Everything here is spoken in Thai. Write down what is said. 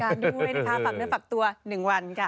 ปรับเนื้อปรับตัว๑วัน